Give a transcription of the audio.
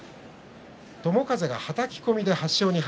友風がはたき込みで８勝２敗。